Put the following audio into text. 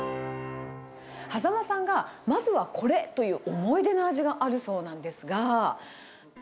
羽佐間さんが、まずはこれという思い出の味があるそうなんですが。